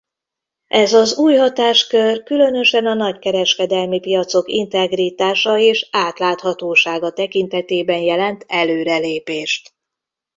Ez az új hatáskör különösen a nagykereskedelmi piacok integritása és átláthatósága tekintetében jelent előrelépést.